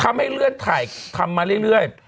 ให้เลื่อนถ่ายทำมาเรื่อย